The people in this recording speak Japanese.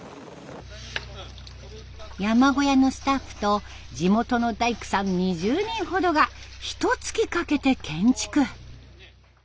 山小屋のスタッフと地元の大工さん２０人ほどがひとつきかけて建築。